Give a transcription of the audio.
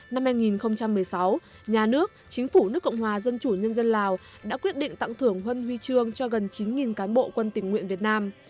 năm hai nghìn một mươi sáu nhà nước chính phủ nước cộng hòa dân chủ nhân dân lào đã quyết định tặng thưởng huân huy trương cho gần chín cán bộ quân tỉnh nguyện việt nam